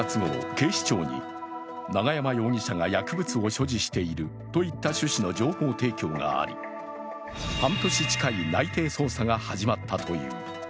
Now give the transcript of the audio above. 警視庁に永山容疑者が薬物を所持しているといった趣旨の情報提供があり、半年近い内偵捜査が始まったという。